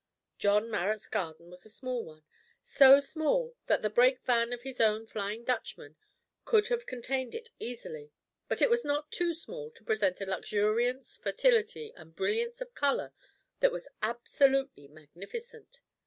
John Marrot's garden was a small one so small that the break van of his own "Flyin' Dutchman" could have contained it easily but it was not too small to present a luxuriance, fertility, and brilliance of colour that was absolutely magnificent!